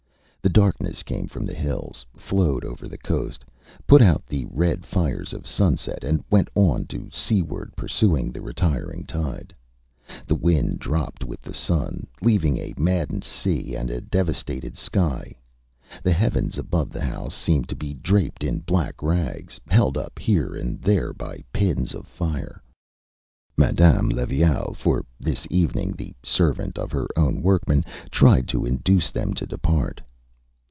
The darkness came from the hills, flowed over the coast, put out the red fires of sunset, and went on to seaward pursuing the retiring tide. The wind dropped with the sun, leaving a maddened sea and a devastated sky. The heavens above the house seemed to be draped in black rags, held up here and there by pins of fire. Madame Levaille, for this evening the servant of her own workmen, tried to induce them to depart.